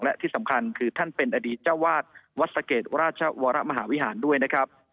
และที่สำคัญคือท่านเป็นอดีตเจ้าวาดวัดสะเกดราชวรมหาวิหารด้วยนะครับ